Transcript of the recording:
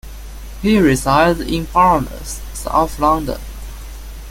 He resides in Barnes, south London.